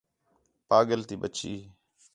پاڳل تی ٻچّی